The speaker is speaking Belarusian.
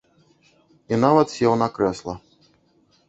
І нават сеў на крэсла.